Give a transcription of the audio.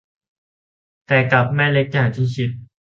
แต่กลับไม่เล็กอย่างที่คิด